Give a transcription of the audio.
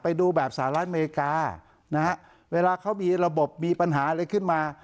ไปดูแบบสหรัฐอเมริกานะฮะเวลาเขามีระบบมีปัญหาอะไรขึ้นมา